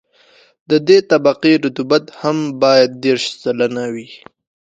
د دې طبقې رطوبت هم باید دېرش سلنه وي